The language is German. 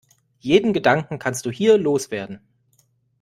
Jeden Gedanken kannst du hier los werden.